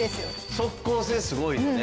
即効性すごいよね。